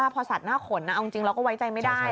พอสัตว์หน้าขนเอาจริงเราก็ไว้ใจไม่ได้